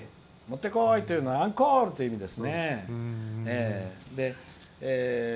もってこいというのはアンコールという意味ですね。